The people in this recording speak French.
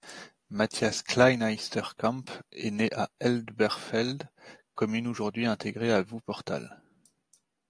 Matthias Kleinheisterkamp est né à Elberfeld, commune aujourd'hui intégrée à Wuppertal.